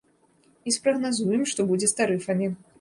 І спрагназуем, што будзе з тарыфамі.